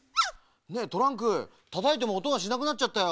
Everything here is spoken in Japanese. ねえトランクたたいてもおとがしなくなっちゃったよ。